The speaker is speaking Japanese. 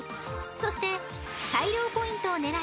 ［そして大量ポイントを狙える